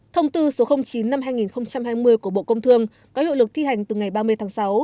thông tư số chín năm hai nghìn hai mươi của bộ công thương có hiệu lực thi hành từ ngày ba mươi tháng sáu